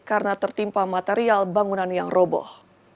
karena tertimpa material bangunan yang roboh